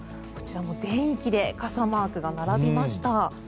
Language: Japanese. こちらも全域で傘マークが並びました。